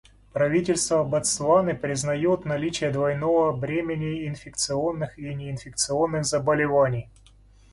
Правительство Ботсваны признает наличие двойного бремени инфекционных и неинфекционных заболеваний.